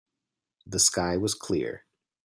The sky was clear.